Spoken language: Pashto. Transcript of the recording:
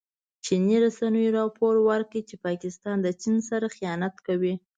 چیني رسنیو راپور ورکړی چې پاکستان د چین سره خيانت کوي.